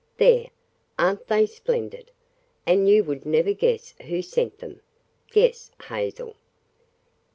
"There! Aren't they splendid? And you would never guess who sent them. Guess, Hazel."